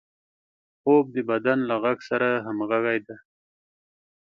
خوب د بدن له غږ سره همغږي ده